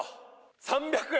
３００円。